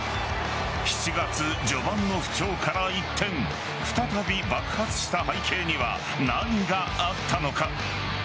７月序盤の不調から一転再び爆発した背景には何があったのか。